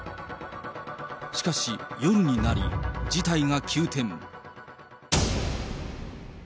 しかし、夜になり事態が急転。